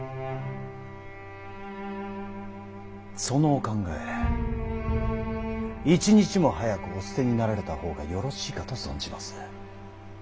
そのお考え一日も早くお捨てになられた方がよろしいかと存じます。